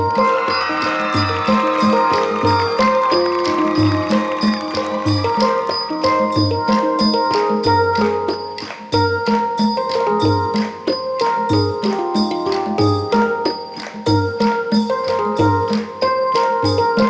ขอบคุณครับ